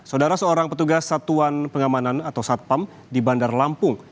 saudara seorang petugas satuan pengamanan atau satpam di bandar lampung